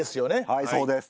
はいそうです。